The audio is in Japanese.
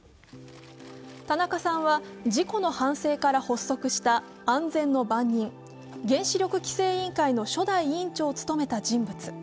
田中さんは事故の反省から発足した安全の番人、原子力規制委員会の初代委員長を務めた人物。